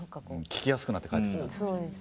聴きやすくなって帰ってきたっていう。